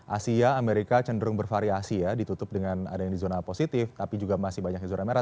asia amerika cenderung bervariasi ya ditutup dengan ada yang di zona positif tapi juga masih banyaknya zona merah